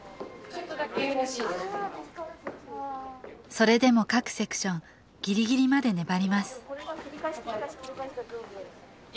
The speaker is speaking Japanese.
それでも各セクションぎりぎりまで粘ります